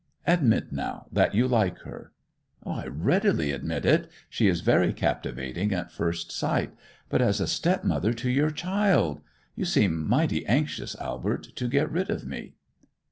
Admit, now, that you like her.' 'I readily admit it. She is very captivating at first sight. But as a stepmother to your child! You seem mighty anxious, Albert, to get rid of me!